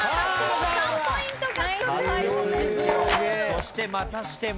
そしてまたしても。